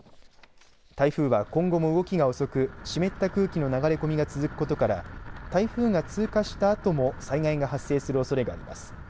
台風は今後も動きが遅く湿った空気の流れ込みが続くことから台風が通過したあとも災害が発生するおそれがあります。